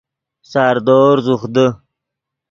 ساردور زوخ دے